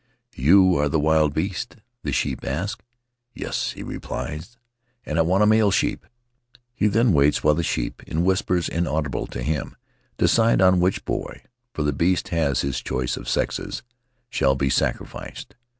"You are the wild beast?" the sheep ask. "Yes," he replies, "and I want a male sheep." He then waits while the sheep — in whispers inaudible to him — decide on which boy (for the beast has his choice of sexes) shall be sacrificed.